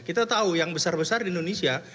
kita tahu yang besar besar di indonesia